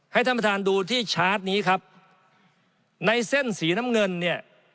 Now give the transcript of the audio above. ให้ท่านประธานดูที่ชาร์จนี้ครับในเส้นสีน้ำเงินเนี่ย